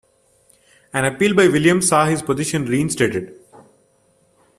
An appeal by Williams saw his position reinstated.